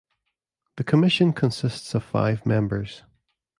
The commission consists of five members.